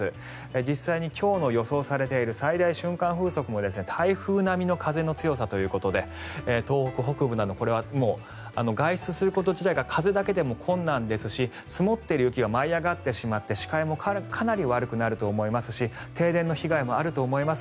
実際に今日の予想されている最大瞬間風速も台風並みの風の強さということで東北北部などこれは外出すること自体が風だけでも困難ですし積もっている雪が舞い上がってしまって視界もかなり悪くなると思いますし停電の被害もあると思います。